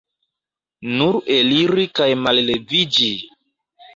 Nur eliri kaj malleviĝi!